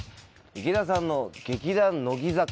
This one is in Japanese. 池田さんの劇団「乃木坂」。